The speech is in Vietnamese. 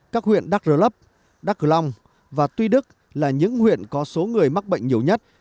các huyện đắk rơ lấp đắk cử long và tuy đức là những huyện có số người mắc bệnh nhiều nhất